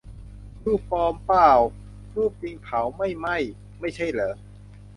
"รูปปลอมป่าว รูปจริงเผาไม่ไหม้ไม่ใช่เหรอ"